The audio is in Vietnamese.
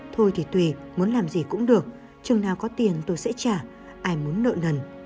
thôi thì tùy muốn làm gì cũng được chừng nào có tiền tôi sẽ trả ai muốn nợ nần